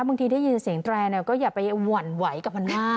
บางทีได้ยินเสียงแตรเนี่ยก็อย่าไปหวั่นไหวกับมันมาก